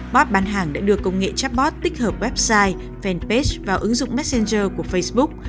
bốt bản hàng đã đưa công nghệ chatbot tích hợp website fanpage vào ứng dụng messenger của facebook